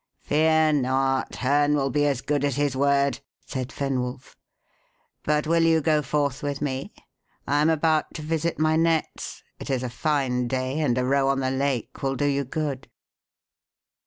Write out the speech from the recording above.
"Fear not; Herne will be as good as his word," said Fenwolf. "But will you go forth with me? I am about to visit my nets. It is a fine day, and a row on the lake will do you good."